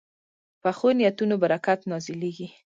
پخو نیتونو برکت نازلېږي